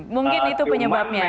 mungkin itu penyebabnya